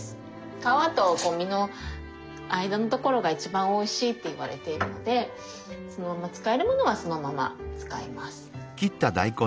皮と身の間のところが一番おいしいっていわれているのでそのまま使えるものはそのまま使います。